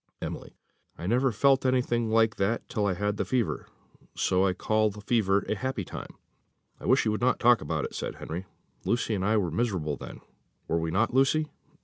Emily. "I never felt anything like that till I had the fever, so I call the fever a happy time." "I wish you would not talk about it," said Henry; "Lucy and I were miserable then; were not we, Lucy?"